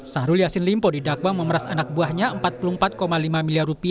syahrul yassin limpo didakwa memeras anak buahnya rp empat puluh empat lima miliar